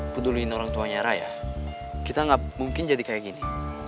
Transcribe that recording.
peduli orang tuanya raya kita nggak mungkin jadi kayak gini